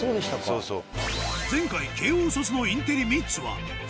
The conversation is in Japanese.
そうそう。